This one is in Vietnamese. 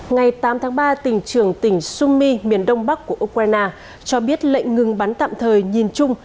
ngày tám tháng ba tỉnh trường tỉnh summi miền đông bắc của ukraine cho biết lệnh ngừng bắn tạm thời nhìn chung